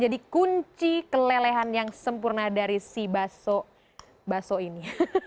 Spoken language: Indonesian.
jadi kunci kelelehan yang sempurna dari si baso ini